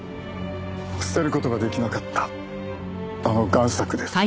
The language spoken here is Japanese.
捨てる事が出来なかったあの贋作です。